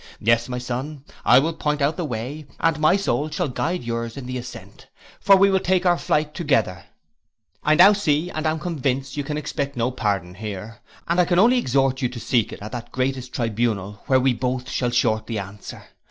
Yes, my son, I will point out the way, and my soul shall guide yours in the ascent, for we will take our flight together. I now see and am convinced you can expect no pardon here, and I can only exhort you to seek it at that greatest tribunal where we both shall shortly answer.